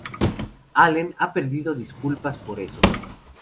Allen ha pedido disculpas por eso.